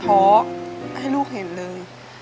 เพราะให้ลูกเห็นเลย